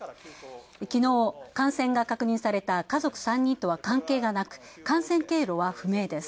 きのう、感染が確認された家族３人とは関係がなく感染経路は不明です。